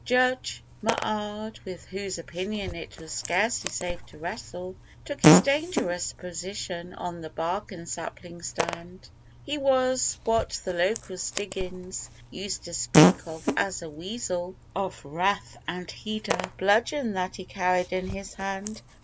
Judge M'Ard with whose opinion it was scarcely safe to wrestle Took his dangerous position on the bark and sapling stand: He was what the local Stiggins used to speak of as a 'wessel 'Of wrath,' and he'd a bludgeon that he carried in his hand.